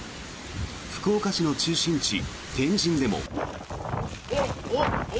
福岡市の中心地、天神でも。